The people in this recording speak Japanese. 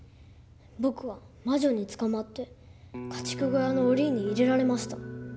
僕は魔女に捕まって家畜小屋の檻に入れられました。